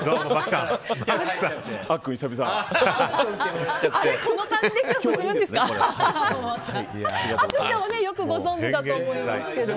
淳さんはよくご存じだと思いますけど。